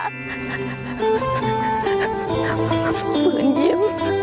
ฝืนยิ้ม